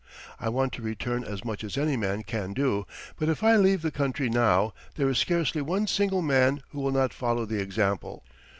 I want to return as much as any man can do; but if I leave the country now there is scarcely one single man who will not follow the example.